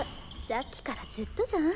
さっきからずっとじゃん？